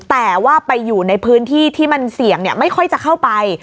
แต่ว่าไปอยู่ในพื้นที่ที่มันเสี่ยงไม่ค่อยจะเข้าไป